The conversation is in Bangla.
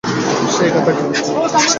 সে একা থাকে।